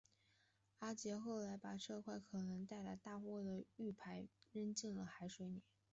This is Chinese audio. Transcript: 阿杰后来把这块可能带来大祸的玉牌扔进了海水里。